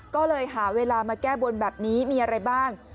ก็เลยหาเวลามาแก้บนแบบนี้มีอะไรบ้าง